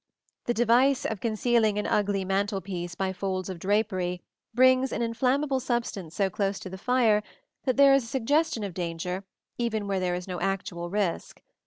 The device of concealing an ugly mantel piece by folds of drapery brings an inflammable substance so close to the fire that there is a suggestion of danger even where there is no actual risk.